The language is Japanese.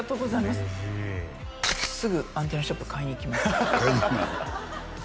すぐアンテナショップ買いに行きます買いに行くの？